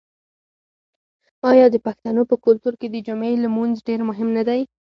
آیا د پښتنو په کلتور کې د جمعې لمونځ ډیر مهم نه دی؟